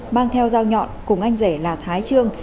mang theo dao nhọn cùng anh rể là thái trương